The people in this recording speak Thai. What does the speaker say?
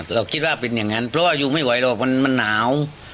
เราคิดว่าเป็นอย่างนั้นเพราะว่าอยู่ไม่ไหวหรอกมันหนาว